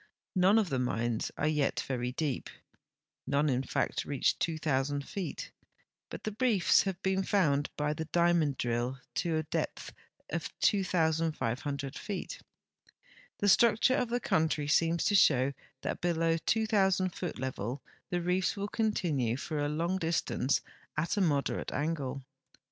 None of the mines are }mt very deep ; none in fact reach 2,000 feet, but the reefs have been found by the diamond drill to a depth of 2,500 feet. The structure of the country seems to show that below the 2,000 foot level the reefs will continue for a long distance at a moderate angle.